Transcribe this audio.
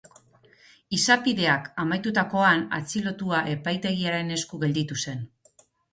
Izapideak amaitutakoan, atxilotua epaitegiaren esku gelditu zen.